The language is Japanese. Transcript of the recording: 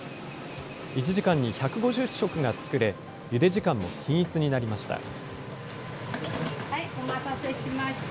１時間に１５０食が作れ、ゆで時間も均一になりました。